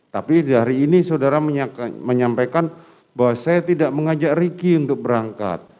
tapi hari ini saudara menyampaikan bahwa saya tidak mengajak ricky untuk berangkat